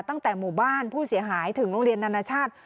ตั้งแต่หมู่บ้านผู้เสียหายถึงโรงเรียนนานาชาติ